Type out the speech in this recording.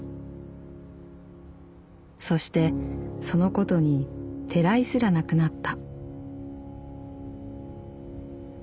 「そしてそのことにてらいすらなくなった」。